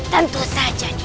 tentu saja nimas